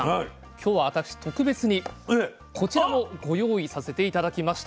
今日は私特別にこちらもご用意させて頂きました。